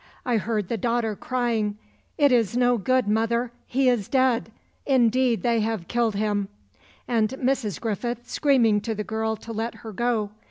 I heard the daughter crying, 'it is no good, mother, he is dead, indeed they have killed him,' and Mrs. Griffith screaming to the girl to let her go.